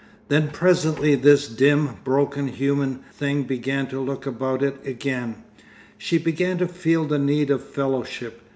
Then presently this dim, broken human thing began to look about it again. She began to feel the need of fellowship.